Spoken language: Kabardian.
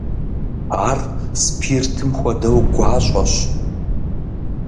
Ар спиртым хуэдэу гуащӀэщ.